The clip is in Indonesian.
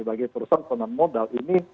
bagi perusahaan penahan modal ini